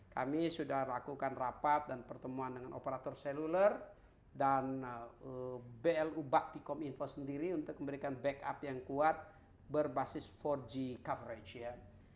kami sudah lakukan rapat dan pertemuan dengan operator seluler dan blu bakti kominfo sendiri untuk memberikan backup yang kuat berbasis empat g coverage